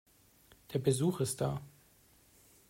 Der Besuch ist da.